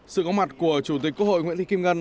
sự có mặt của chủ tịch quốc hội nguyễn thị kim ngân